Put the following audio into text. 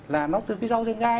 là nó từ cây rau rền gai